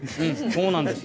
そうなんですよ。